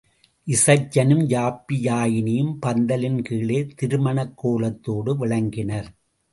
இசைச்சனும் யாப்பியாயினியும் பந்தலின் கீழே திருமணக்கோலத்தோடு விளங்கினர்.